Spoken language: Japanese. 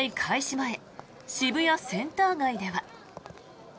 前渋谷センター街では。